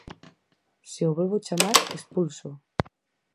Se o volvo chamar, expúlsoo.